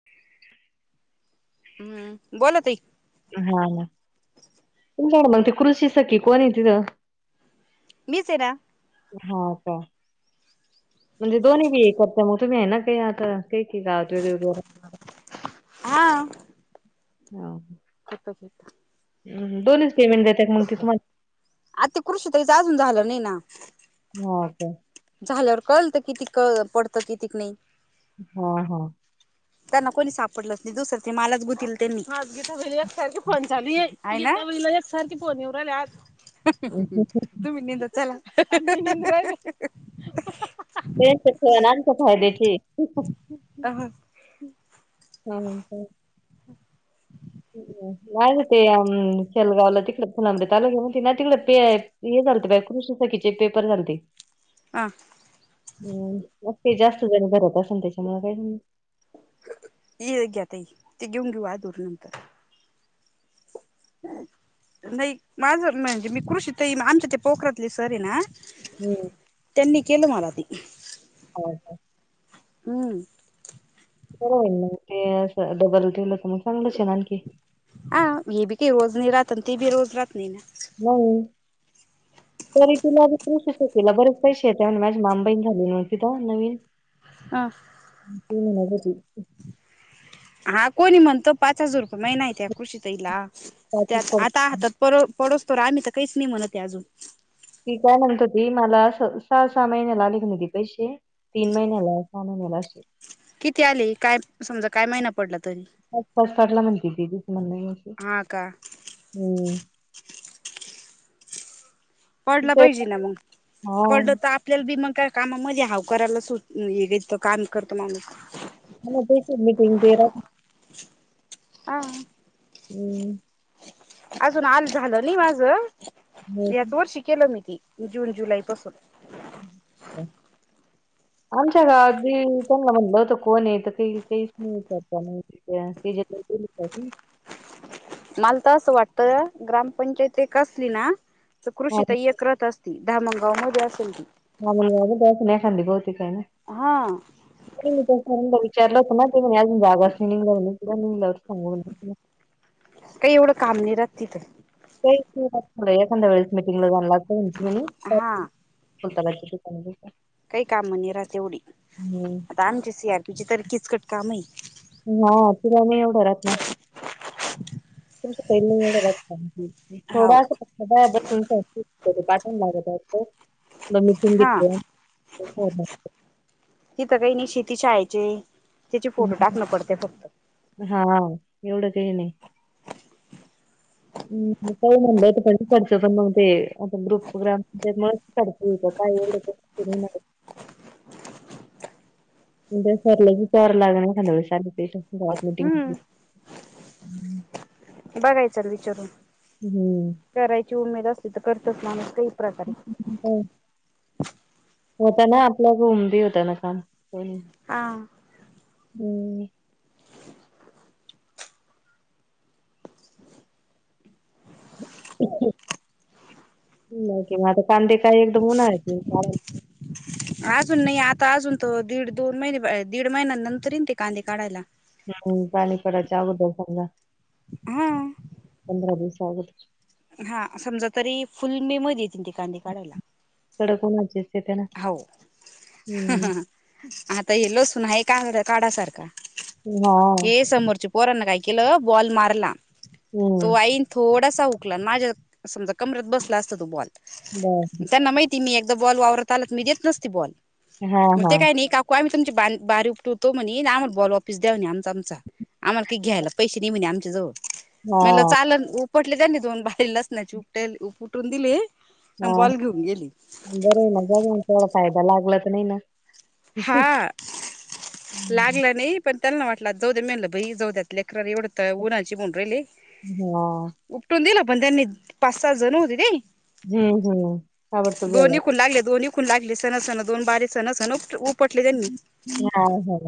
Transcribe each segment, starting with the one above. [unintelligible] हं बोला ताई. हा हं तुमच्या कडे मग ते कृषी सखी कोण तिथं? मीच आहे ना. हा का म्हणजे दोन्ही करत मग तुम्ही आहे ना काही आता काही गावात वेगवेगळे वगैरे हा हं खुरपायचं इथ हंहं दोनच पेमेंट दे आता कृषी ताईच अजून झालं नाही ना. हा का झाल्यावर कळल तर किती पडतं कित्तेक नाही हा हा त्यांना कोणी सापडलंच नाही दुसरं त्यानी मलाच गुतीवल त्यांनी [inaudible] आहे ना सारखे फोन येऊन राहिल्या आज तुम्ही [inaudible] चला [inaudible] ते आमच्या फायद्याची आहे. दहा हं हं नाही ते शेलगावला तिकड फुलाब्रताला घेऊन तेना तिकड प हे झालतं बाई कृषी सखीचे पेपर झालते. हां हं मग ते जास्त जणी भरत असेल त्याच्यामुळे काही. ये घ्या ताई ते घेऊ घेऊ आधी दूर नंतर नाही माझं म्हणजे मी कृषी ताई आमच्या ते पोखरातले सर आहे ना हो त्यानी केलं मला ते हो हो हम्म हो ते अस डबल ठेवलं तर मग चांगलंच होईल आणखी ह ये भी काही रोज नाही राात अ त भी रोज रात नाही ना हो तरी तिला तसे शकला बरेच पैसे य त्या माझी मामबाहीण झाली न तिथं नवीन ह नाही भती [unintelligible] हा कोणी म्हणतं पाच हजार रुपये महिना येतात कृषीताईला. पाचच त्यात पड आता हातात प पडोसतोवर आम्ही काहीच नाही म्हणत अजून. ती काय म्हणत होती मला सहा सहा महिन्याला आले नाही पैसे तीन महिन्याला सहा महिन्याला असे किती आले काय समजा काय महिना पडला तरी? पाच पाच पडला म्हणत्या ती हा का? हम्म. पडला ते- पाहिजे ना मग हा पडलं तर जलदी मग का कामामध्ये हाव करायला होत, नाही एकतर काम करतो माणूस. काल होतय की मीटिंग बी राहती. [inaudible] हा. हम्म. अजून आल झालं नाही माझ, हो याच वर्षी केलं मी ती. जून जुलै पासून. ह [inaudible] आमच्या गावात बी त्यांना म्हणलं होत. कोण आहे तर ते काही काहीच नाही विचारत नाही. या त्याच्यात नाही का दुपारी. मला तर असं वाटतं, ग्रामपंचायत एक असली ना तर, कृषीताई एक राहत असल ती धामनगावमध्ये असल ती. धामणगाव मधी असल एखांदी बहुतेक काय माहित. हा. मी त्या सरांना विचारलं होत. ना ते म्हणे अजून जाग नाही अस म्हणे निंगल्यावर सांगू. काही एवढं काम नाही राहत तिथ. काहीच नाही राहत, एखाद्या वेळेस मिीटिंगला जायाला लागतय म्हणे. हा स्वतःला किती. करता काही काम नाही राहत एवढी, आता आमच्या सी आरपीची तर किचकट काम आहे. हा तुला नाही एवढं राहात, ना तुमच्या पाहिले एवढं राहत नाही. हाव थोडा बसून [inaudible] लागत असत [inaudible] नम हा तुमित [unintelligible] तिथं काही नाही शेती शाळेचे, त्याचे फोटो टाकणे पडते फक्त. हा एवढं काही हे नाही. हम् काही म्हणलं पण खर्च पण मग ते आता ग्रुप ग्राम [unintelligible] काय त [unintelligible] तुमच्या सरांलाच विचारावा लागणार ॲलिटेशनच आणि ते वॉल हम्म मिटिंगच हम्म. बघायच ना विचारून करायची उमेद असली, तर करतच माणूस काही प्रकारे. हो, होता ना आपल कडुन होता ना काम म्हणून हां. हम्म. नाही की म आता कांदे काय एकदम उन्हाळ्यात येईल काढायला. अजून नाही. आता अजून त दीड दोन महिने दीड महिन्या नंतर येईन ते कांदे काढायला. हम्म पाणी पडायच्या अगोदर समजा हा पंधरा दिवस आगोदर. हा समजा तरी, फुल मे मध्ये येतीन ते कांदे काढायला. कडक उन्हाचेच. हो, आता हे लोसून आहे का काढायसारखा. हा हे समोरच्या पोरांन काय केलं बॉल मारला. तो हम्म आई थोडासा हुकला माझ्या समजा कमरत बसला असता, तो बॉल बर त्यांना माहि माहितीये मी एकदा बॉल वावरात आला की, मी देत नसते बॉल. हा मग हा ते काय नाही काकु आम्ही तुमची बारी उपटतो म्हणे, आम्हाला बॉल वापस द्या, म्हणे आमचा आमचा आम्हाला. पिक घ्यायला पैसे नाही म्हणले आमच्या जवळ हा मी म्हणल चालल पोटले त्यांनी दोन भारी लसणाची दोन उपटून दिले आणि हा बॉल घेऊन गेली बरं आहे मग बघ मग फायदा लागला तर नाही ना हा हम्म. लागल नाही पण त्याला ना वाटला जाऊद म्हणल बाई लेकर एवढे उन्हाचे येऊन राहिले हा उपटून दिला पण त्यांनी पाच सात जण होते ते हम्म हम्म ताबडतोब झाला दोन खून लागले दोन खून लागले सण सण दोन बारे सण सण उपटले त्यांनी हा हा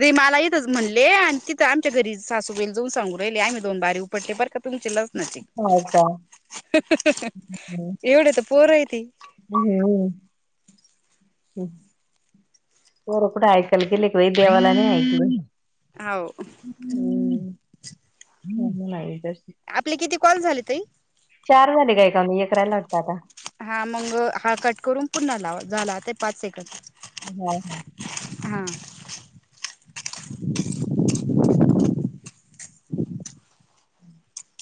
रे मला इथच म्हणले आणि तिथं आमच्या घरी सासूबाईल जाऊन सांगून राहिले आम्ही दोन बारी उपटले बरका तुमची लसणाचे हो का? एवढे तर पोर आहे ती हम्म पोरे कुठ ऐकायला गेल की बाई देवाला नाही ऐकल हाव हम्म हम्म नाही तशी आपले किती कॉल झाले ताई चार झाले ग काय का एक रायलाय आता हा मग हा कट करून पुन्हा लाव झाला आता पाच सेकंद काय हम्म [unintelligible]